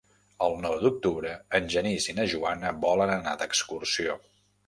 El nou d'octubre en Genís i na Joana volen anar d'excursió.